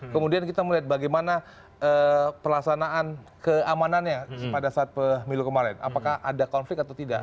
kemudian kita melihat bagaimana pelaksanaan keamanannya pada saat pemilu kemarin apakah ada konflik atau tidak